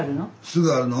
すぐあるの？